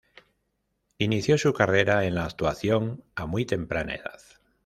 Inició su carrera en la actuación a muy temprana edad.